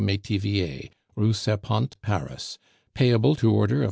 Metivier, Rue Serpente, Paris, payable to order of M.